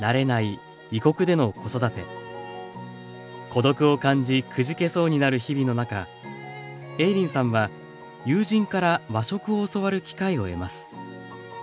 孤独を感じくじけそうになる日々の中映林さんは友人から和食を教わる機会を得ます。